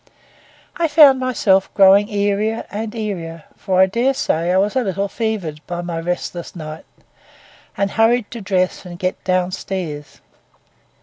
I found myself growing eerier and eerier, for I dare say I was a little fevered by my restless night, and hurried to dress and get downstairs.